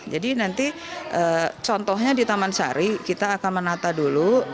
jadi nanti contohnya di taman sari kita akan menata dulu